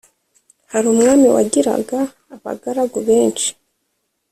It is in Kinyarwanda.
hari umwami wagiraga abagaragu benshi